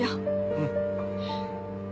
うん。